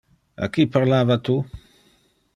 A qui parlava tu?